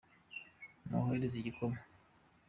muhoreze igikoma.